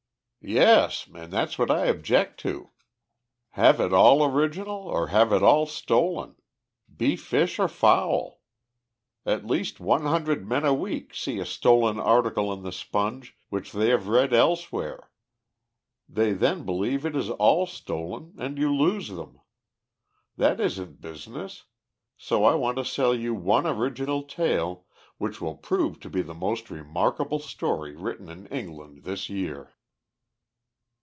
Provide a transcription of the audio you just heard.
"Yes, and that's what I object to. Have it all original, or have it all stolen. Be fish or fowl. At least one hundred men a week see a stolen article in the Sponge which they have read elsewhere. They then believe it is all stolen, and you lose them. That isn't business, so I want to sell you one original tale, which will prove to be the most remarkable story written in England this year."